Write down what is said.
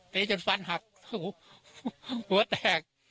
จนฟันหักหัวแตก